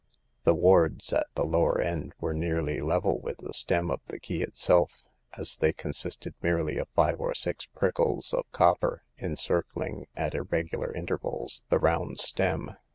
The wards at the lower end were nearly level with the stem of the key itself, as they consisted merely of five or six prickles of copper encircling at irregular inter vals the round stem.